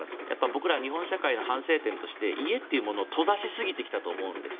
僕ら日本社会の反省点として家というものを閉ざしすぎてきたと思うんです。